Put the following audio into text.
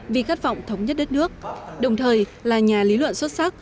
vì khát vọng thống nhất đất nước đồng thời là nhà lý luận xuất sắc